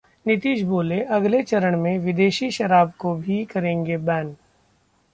नीतीश बोले- अगले चरण में विदेशी शराब को भी करेंगे बैन